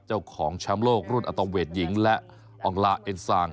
เจ้าของแชมป์โลกรุ่นอัตเวทหญิงและอองลาเอ็นซาง